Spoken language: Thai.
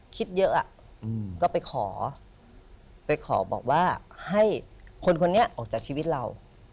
คิดเยอะก็ไปขอไปขอบอกว่าให้คนคนนี้ออกจากชีวิตเรา